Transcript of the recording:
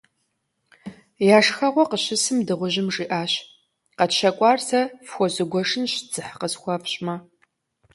Я шхэгъуэ къыщысым, дыгъужьым жиӏащ: - Къэтщэкӏуар сэ фхуэзгуэшынщ, дзыхь къысхуэфщӏмэ.